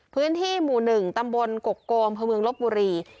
พื้นที่หมู่๑ตำบลกกโกมพระเมืองลบบุรี